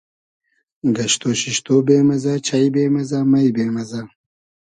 گئشتۉ شیشتۉ بې مئزۂ, چݷ بې مئزۂ, مݷ بې مئزۂ